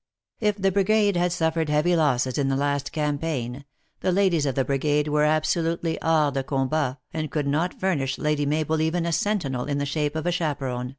If the brigade had suf fered heavy loss in the last campaign, the ladies of the brigade were absolutely hors de combat, and could not furnish Lady Mabel even a sentinel in the shape of a chaperon.